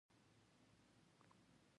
د پښتو ژبه باید معیاري شي